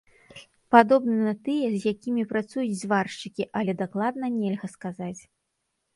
Падобны на тыя, з якімі працуюць зваршчыкі, але дакладна нельга сказаць.